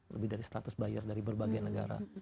lebih dari seratus buyer dari berbagai negara